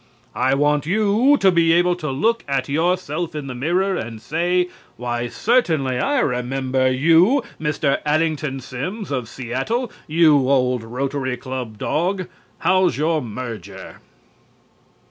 I want you to be able to look at yourself in the mirror and say: "Why, certainly I remember you, Mr. Addington Simms of Seattle, you old Rotary Club dog! How's your merger?"